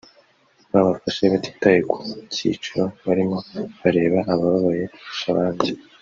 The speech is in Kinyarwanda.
Babafashe batitaye ku cyiciro barimo barebe ababaye kurusha abandi